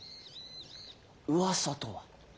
うわさとは？